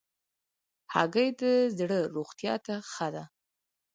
هګۍ د زړه روغتیا ته ښه ده.